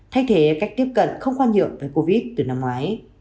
thay thế cách tiếp cận không khoan nhượng với covid từ năm ngoái